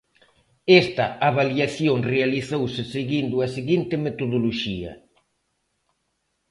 Esta avaliación realizouse seguindo a seguinte metodoloxía.